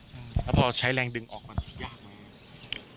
แล้วพอใช้แรงดึงออกมายากไหม